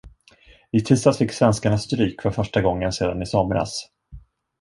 I tisdags fick svenskarna stryk för första gången sedan i somras.